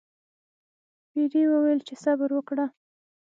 پیري وویل چې صبر وکړه.